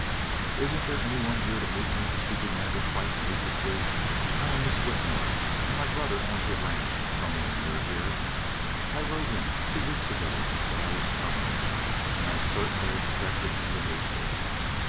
"Isn't there anyone here to meet me?" she demanded, quite needlessly. "I am Miss Whitmore, and my brother owns a ranch, somewhere near here. I wrote him, two weeks ago, that I was coming, and I certainly expected him to meet me."